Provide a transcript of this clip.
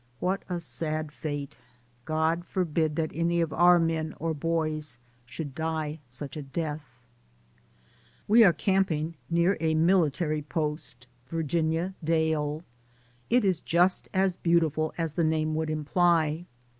What a sad DAYS ON THE ROAD. 141 fate; God forbid that any of our men or boys should die such a death. We are camping near a mihtary post — Virginia Dale. It is just as beautiful as the name would imply.